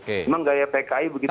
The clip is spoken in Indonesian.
emang gaya pki begitu terlalu jelas ya